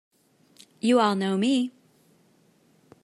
You all know me!